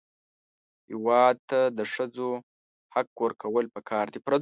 هېواد ته د ښځو حق ورکول پکار دي